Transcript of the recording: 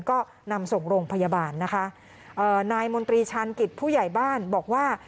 ก็นำส่งโรงพยาบาลนะคะเอ่อนายมนตรีชาญกิจผู้ใหญ่บ้านบอกว่า